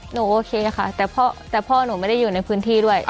โอเคค่ะแต่พ่อหนูไม่ได้อยู่ในพื้นที่ด้วย